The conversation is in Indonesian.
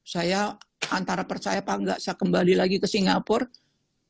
saya antara percaya apa enggak saya kembali lagi ke singapura